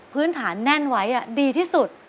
พื้นฐานแน่นไว้ดีที่สุด